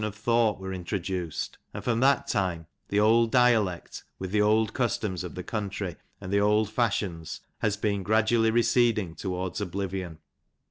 azpieBmm <tf thought were introduced, and from that time the old dialect, with the old cusrtoms of the countij, and the old fashions has been gradually receding towards oblivion.